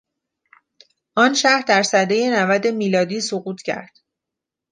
آن شهر در سنهی نود میلادی سقوط کرد.